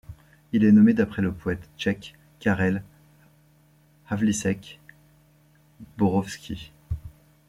Il est nommé d'après le poète tchèque Karel Havlíček Borovský.